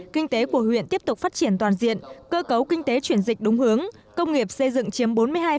kinh tế của huyện tiếp tục phát triển toàn diện cơ cấu kinh tế chuyển dịch đúng hướng công nghiệp xây dựng chiếm bốn mươi hai sáu mươi sáu